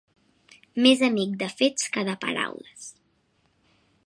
Més amic de fets que de paraules.